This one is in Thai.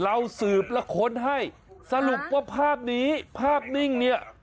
เราสืบแล้วค้นให้สรุปว่าภาพนี้ภาพนิ่งเนี่ย